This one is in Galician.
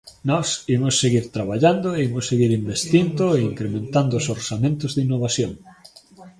Nós imos seguir traballando e imos seguir investindo e incrementando os orzamentos de innovación.